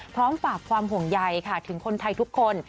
พร้อมฝากความห่วงใยค่ะถึงคนไทยทุกคน